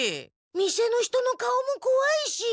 店の人の顔もこわいし！